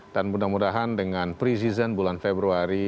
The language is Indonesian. dan mudah mudahan dengan pre season bulan februari